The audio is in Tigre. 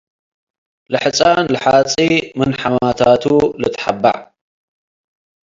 ለሕጻን ለሓጺ ምን ሐማታቱ ልትሐበዕ ።